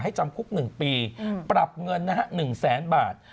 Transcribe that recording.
ให้จำคุก๑ปีปรับเงินนะฮะ๑๐๐๐๐๐บาท